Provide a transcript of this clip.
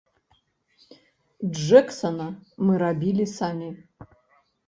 Джэксана мы рабілі самі.